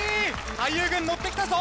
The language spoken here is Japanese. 俳優軍のってきたぞ！